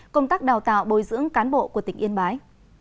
công tác đào tạo bồi dưỡng cán bộ của tỉnh yên bái